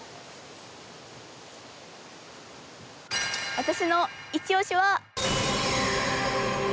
私のいちオシは。